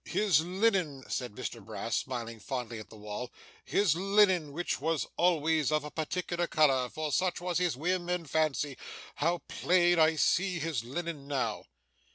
His linen!' said Mr Brass smiling fondly at the wall, 'his linen which was always of a particular colour, for such was his whim and fancy how plain I see his linen now!